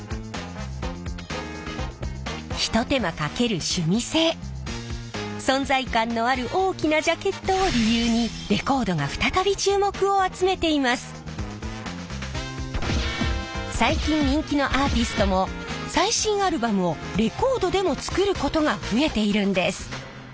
ひと手間かける趣味性存在感のある大きなジャケットを理由に最近人気のアーティストも最新アルバムをレコードでも作ることが増えているんです。